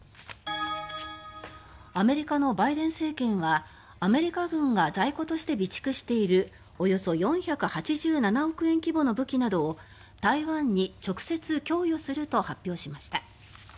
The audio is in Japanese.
アメリカのバイデン政権はアメリカ軍が在庫として備蓄しているおよそ４８７億円規模の武器などを台湾に直接供与すると発表しました。